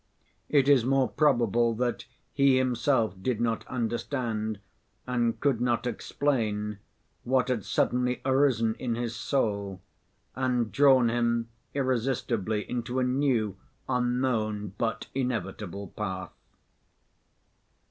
It is more probable that he himself did not understand and could not explain what had suddenly arisen in his soul, and drawn him irresistibly into a new, unknown, but inevitable path.